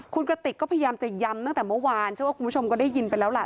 คุณกระติกก็พยายามจะย้ำตั้งแต่เมื่อวานเชื่อว่าคุณผู้ชมก็ได้ยินไปแล้วล่ะ